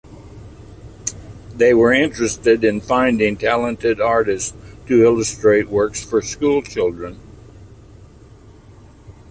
They were interested in finding talented artists to illustrate works for school children.